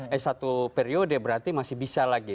eh satu periode berarti masih bisa lagi